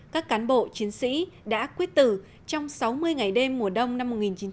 các cán bộ chiến sĩ đã quyết tử trong sáu mươi ngày đêm mùa đông năm một nghìn chín trăm bảy mươi